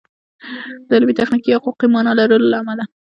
د علمي، تخنیکي یا حقوقي مانا لرلو له امله